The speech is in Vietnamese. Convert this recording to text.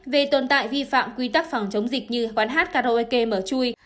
về tồn tại vi phạm quy tắc phòng chống dịch như quán hát karaoke mở chui